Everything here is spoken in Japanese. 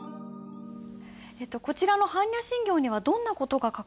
こちらの般若心経にはどんな事が書かれているんですか？